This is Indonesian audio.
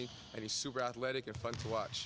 dan dia super atletik dan menyenangkan untuk dilihat